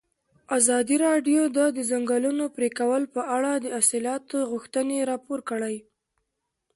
ازادي راډیو د د ځنګلونو پرېکول په اړه د اصلاحاتو غوښتنې راپور کړې.